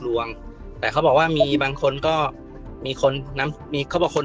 สุดท้ายก็ไม่มีทางเลือกที่ไม่มีทางเลือก